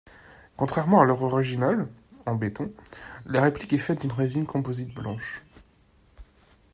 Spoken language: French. Contrairement à l'œuvre originale, en béton, la réplique est faite d'une résine composite blanche.